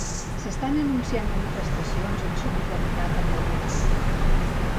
S'estan anunciant manifestacions en solidaritat amb el detingut?